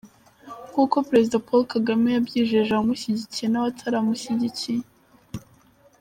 Nkuko Perezida Paul Kagame yabyijeje abamushyigikiye n’abataramushyigikiye.